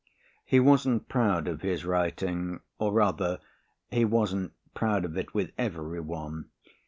He wasn't proud of his writing or, rather, he wasn't proud of it with every one.